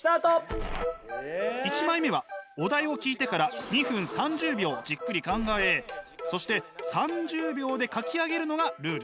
１枚目はお題を聞いてから２分３０秒じっくり考えそして３０秒で描き上げるのがルール。